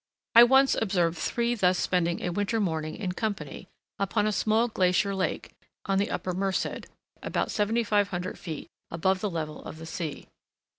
I once observed three thus spending a winter morning in company, upon a small glacier lake, on the Upper Merced, about 7500 feet above the level of the sea.